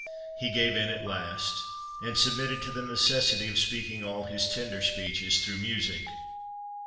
He gave in at last, and submitted to the necessity of speaking all his tender speeches "through music."